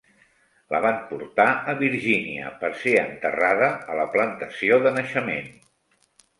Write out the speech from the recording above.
La van portar a Virginia per ser enterrada a la plantació de naixement.